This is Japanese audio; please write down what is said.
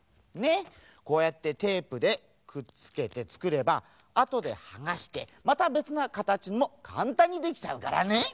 こうやってテープでくっつけてつくればあとではがしてまたべつなかたちもかんたんにできちゃうからね。